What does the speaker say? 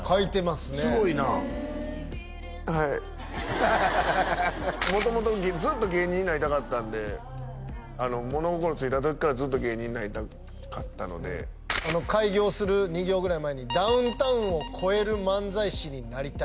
すごいなはい元々ずっと芸人になりたかったんで物心ついた時からずっと芸人になりたかったので改行する２行ぐらい前に「ダウンタウンをこえるまんざい師になりたい」